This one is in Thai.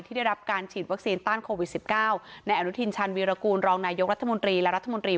ที่ได้รับการฉีดวัคซีนต้านโควิดสิบเก้าในอนุทินชันวีรกูลรองนายยกรัฐมนตรี